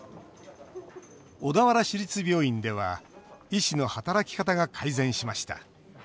小田原市立病院では医師の働き方が改善しました。